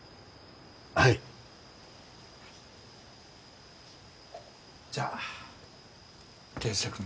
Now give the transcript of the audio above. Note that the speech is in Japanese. はいじゃあ圭介